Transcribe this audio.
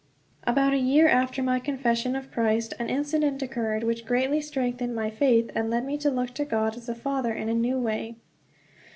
About a year after my confession of Christ an incident occurred which greatly strengthened my faith, and led me to look to God as a Father in a new way.